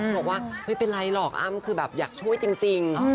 บอกว่าไม่เป็นไรหรอกอ้ำคือแบบอยากช่วยจริง